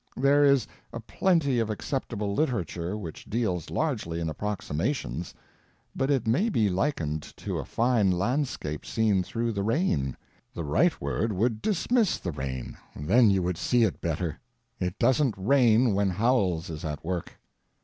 There is a plenty of acceptable literature which deals largely in approximations, but it may be likened to a fine landscape seen through the rain; the right word would dismiss the rain, then you would see it better. It doesn't rain when Howells is at work.